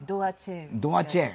ドアチェーン。